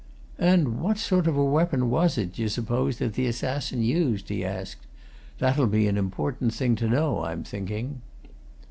"And what sort of a weapon was it, d'ye suppose that the assassin used?" he asked. "That'll be an important thing to know, I'm thinking."